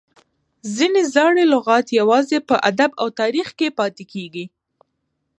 ځینې زاړي لغات یوازي په ادب او تاریخ کښي پاته کیږي.